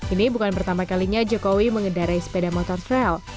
ini bukan pertama kalinya jokowi mengendarai sepeda motor trail